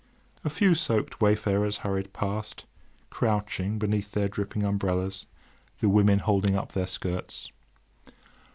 A few soaked wayfarers hurried past, crouching beneath their dripping umbrellas, the women holding up their skirts.